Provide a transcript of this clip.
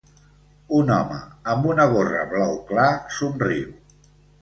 Un home amb una gorra blau clar somriu.